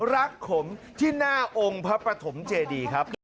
ขมที่หน้าองค์พระปฐมเจดีครับ